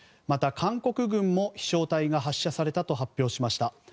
また、韓国軍も飛翔体が発射されたと発表しました。